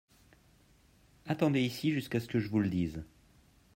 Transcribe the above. Attendez ici jusqu'à ce que je vous le dise.